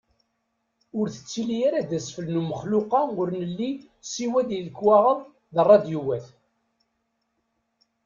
Ur tettili ara d asfel n umexluq-a ur nelli siwa di lekwaɣeḍ d radyuwat.